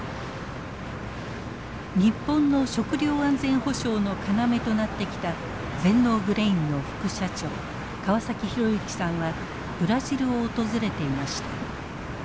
日本の食料安全保障の要となってきた全農グレインの副社長川崎浩之さんはブラジルを訪れていました。